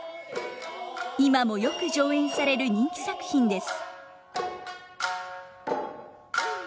今もよく上演される人気作品です。